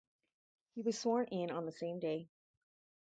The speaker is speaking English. He was sworn in on the same day.